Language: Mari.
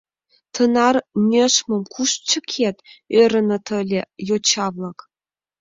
«Тынар нӧшмым куш чыкет?» — ӧрыныт ыле йоча-влак.